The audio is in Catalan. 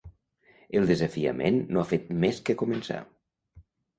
El desafiament no ha fet més que començar.